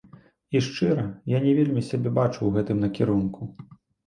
І шчыра, я не вельмі сябе бачу ў гэтым накірунку.